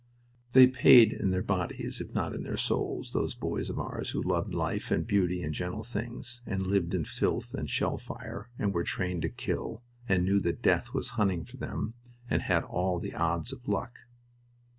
They paid in their bodies, if not in their souls, those boys of ours who loved life and beauty and gentle things, and lived in filth and shell fire, and were trained to kill, and knew that death was hunting for them and had all the odds of luck.